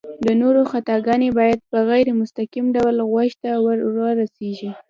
د نورو خطاګانې بايد په غير مستقيم ډول غوږ ته ورورسيږي